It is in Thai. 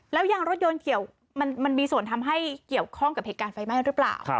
แล้วยางรถยนต์เกี่ยวมันมีส่วนทำให้เกี่ยวข้องกับเหตุการณ์ไฟไหม้หรือเปล่า